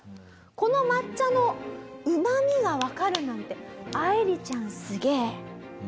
この抹茶のうまみがわかるなんて愛理ちゃんすげー！